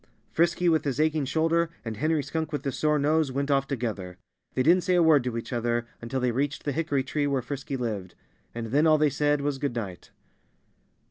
Frisky, with his aching shoulder, and Henry Skunk, with his sore nose, went off together. They didn't say a word to each other, until they reached the hickory tree where Frisky lived. And then all they said was "Good night!"